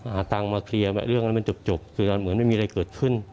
หาตังค์มาเคลียร์เรื่องนั้นมันจบคือเหมือนไม่มีอะไรเกิดขึ้น